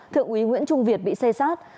thượng úy nguyễn trung việt bị xe sát